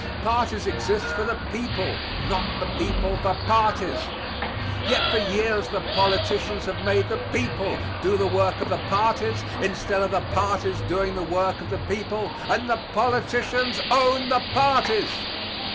Parties exist for the people; not the people for parties. Yet for years the politicians have made the people do the work of the parties instead of the parties doing the work of the people and the politicians own the parties.